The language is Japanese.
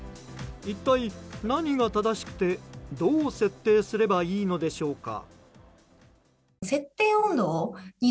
一体何が正しくてどう設定すればいいのでしょうか。